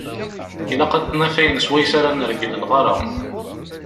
Ilaq ad d-naf ayen swayes ara nergel lɣar-a.